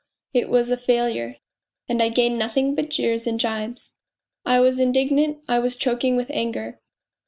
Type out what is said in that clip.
It was a failure, and I gained nothing but jeers and gibes. I was indig nant, I was choking with anger.